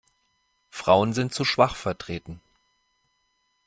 Frauen sind zu schwach vertreten.